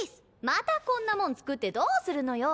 またこんなもん作ってどうするのよ。